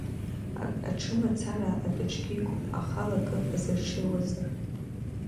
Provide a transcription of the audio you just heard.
Аҽы амацара адәаҿгьы иқәуп, ахала акы азырҽеиуазар…